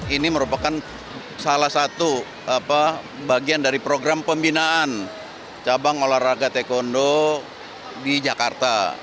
ini merupakan salah satu bagian dari program pembinaan cabang olahraga taekwondo di jakarta